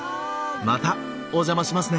またお邪魔しますね！